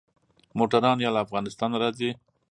موټران يا له افغانستانه راځي.